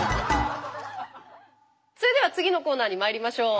それでは次のコーナーにまいりましょう。